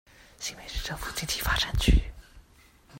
新北市政府經濟發展局